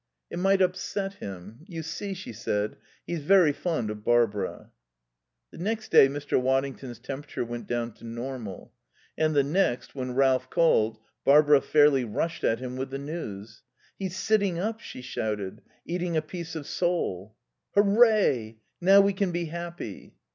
"It might upset him. You see," she said, "he's very fond of Barbara." The next day Mr. Waddington's temperature went down to normal; and the next, when Ralph called, Barbara fairly rushed at him with the news. "He's sitting up," she shouted, "eating a piece of sole." "Hooray! Now we can be happy."